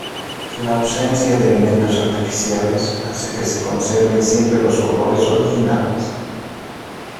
La ausencia de elementos artificiales hace que se conserven siempre los colores originales.